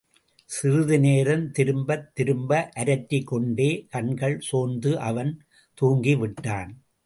சிறிது நேரம் திரும்பத் திரும்ப அரற்றிக் கொண்டே கண்கள் சோர்ந்து அவன் தூங்கிவிட்டான்.